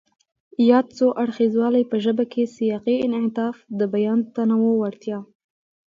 ياد څو اړخیزوالی په ژبه کې سیاقي انعطاف، د بیان د تنوع وړتیا،